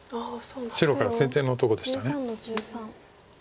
白から先手のとこでした。